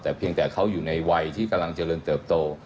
แต่เพียงแต่เขาอยู่ในวัยที่กำลังเจริญเติบโต